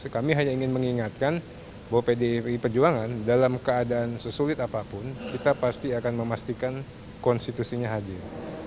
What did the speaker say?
kami hanya ingin mengingatkan bahwa pdi perjuangan dalam keadaan sesulit apapun kita pasti akan memastikan konstitusinya hadir